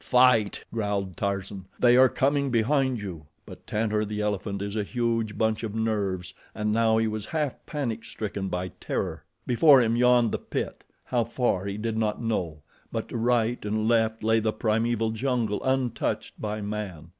"Fight!" growled Tarzan. "They are coming behind you." But Tantor, the elephant, is a huge bunch of nerves, and now he was half panic stricken by terror. Before him yawned the pit, how far he did not know, but to right and left lay the primeval jungle untouched by man.